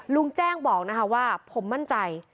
ลุงแจ้งบอกนะคะว่าผมมั่นใจ